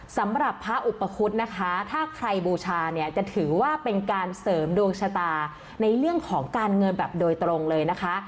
สำหรับพระอุปคุฎนะคะถ้าใครบูชาเนี่ยจะถือว่าเป็นการเสริมดวงชะตาในเรื่องของการเงินแบบโดยตรงเลยนะคะ